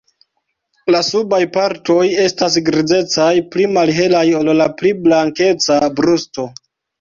La subaj partoj estas grizecaj, pli malhelaj ol la pli blankeca brusto.